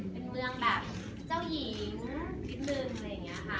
เป็นเมืองแบบเจ้าหญิงนิดนึงอะไรอย่างนี้ค่ะ